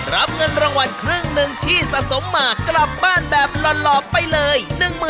รับเงินรางวัลครึ่งหนึ่งที่สะสมมากลับบ้านแบบหล่อไปเลย